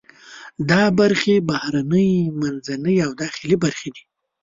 دا برخې بهرنۍ، منځنۍ او داخلي برخې دي.